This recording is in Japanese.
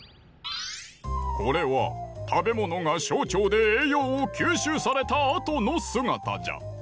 これは食べ物が小腸で栄養を吸収されたあとのすがたじゃ。